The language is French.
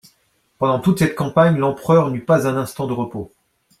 Pendant toute cette campagne l'empereur n'eut pas un instant de repos.